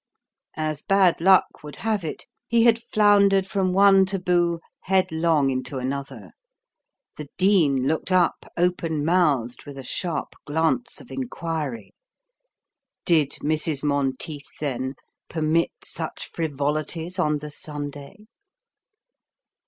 As bad luck would have it, he had floundered from one taboo headlong into another. The Dean looked up, open mouthed, with a sharp glance of inquiry. Did Mrs. Monteith, then, permit such frivolities on the Sunday?